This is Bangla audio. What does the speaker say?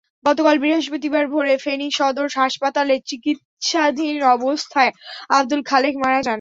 গতকাল বৃহস্পতিবার ভোরে ফেনী সদর হাসপাতালে চিকিত্সাধীন অবস্থায় আবদুল খালেক মারা যান।